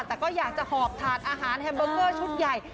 แต่ก็อยากจะหอบถาดอาหารแฮมเบอร์เกอร์ชุดใหญ่